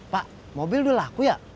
pak mobil udah laku ya